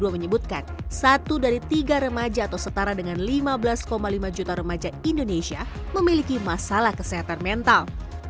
menyebutkan satu dari tiga remaja atau setara dengan lima belas lima juta remaja indonesia memiliki masalah kesehatan mental